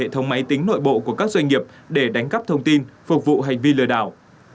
hệ thống máy tính nội bộ của các doanh nghiệp để đánh cắp thông tin phục vụ hành vi lừa đảo